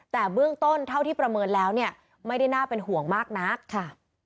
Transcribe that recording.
แต่เบื้องต้นเท่าที่ประเมินแล้วเนี่ยไม่ได้น่าเป็นห่วงมากนักค่ะ